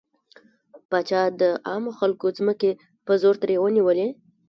پاچا د عامو خلکو ځمکې په زور ترې ونيولې.